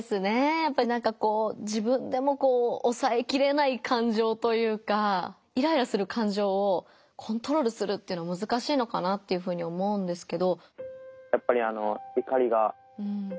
やっぱりなんかこう自分でもこうおさえきれない感情というかイライラする感情をコントロールするっていうのはむずかしいのかなっていうふうに思うんですけど。